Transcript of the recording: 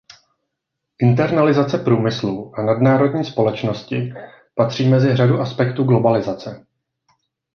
Internalizace průmyslu a nadnárodní společnosti patří mezi řadu aspektů globalizace.